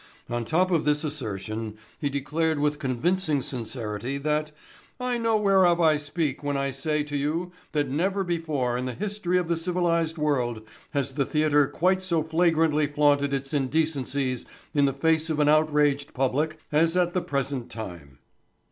On top of this assertion he declared with convincing sincerity, that "I know whereof I speak when I say to you that never before in the history of the civilized world has the theatre quite so flagrantly flaunted its indecencies in the face of an outraged public as at the present time."